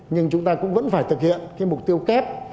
nhưng chúng ta cũng vẫn phải thực hiện mục tiêu kép